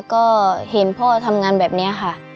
ก็เห็นพ่อทำงานแบบนี้ค่ะ